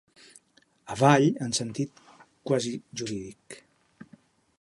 Avall en sentit quasi jurídic.